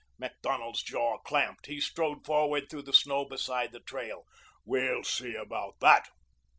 Macdonald's jaw clamped. He strode forward through the snow beside the trail. "We'll see about that."